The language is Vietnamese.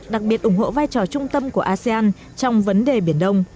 đặc biệt ủng hộ vai trò trung tâm của asean trong vấn đề biển đông